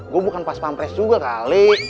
gue bukan pas pampres juga kali